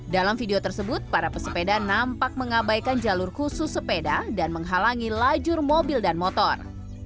dalam video tersebut para pesepeda nampak mengabaikan jalur khusus sepeda dan menghalangi lajur mobil dan motor